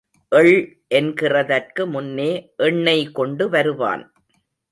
எள் என்கிறதற்கு முன்னே எண்ணெய் கொண்டு வருவான்.